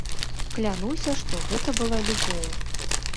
Клянуся, што гэта была любоў.